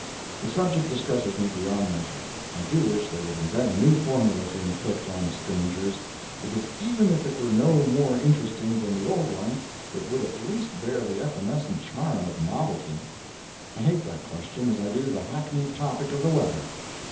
The subject distresses me beyond measure. I do wish they would invent a new formula to inflict on strangers, because even if it were no more interesting than the old one, it would at least bear the evanescent charm of novelty. I hate that question as I do the hackneyed topic of the weather.